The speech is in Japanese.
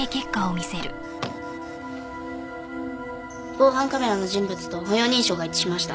防犯カメラの人物と歩容認証が一致しました。